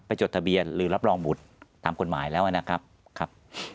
จดทะเบียนหรือรับรองบุตรตามกฎหมายแล้วนะครับ